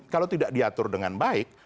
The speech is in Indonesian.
kalau tidak diatur dengan baik